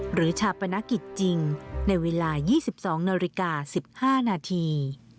ชาปนกิจจริงในเวลา๒๒นาฬิกา๑๕นาที